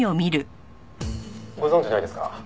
「ご存じないですか？」